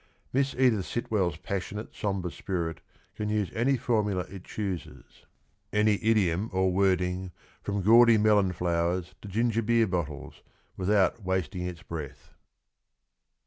... Miss Edith Sitwell's passionate, sombre spirit can use any formula it chooses, any idiom or wording, from gaudy melon flowers to ginger beer bottles, without wasting its breath.